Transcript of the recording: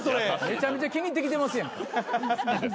めちゃめちゃ気に入ってきてますやん。